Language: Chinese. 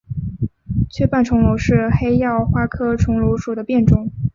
缺瓣重楼是黑药花科重楼属的变种。